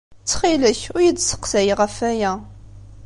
Ttxil-k, ur iyi-d-sseqsay ɣef waya.